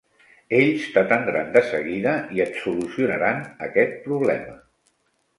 Ells t'atendran de seguida i et solucionaran aquest problema.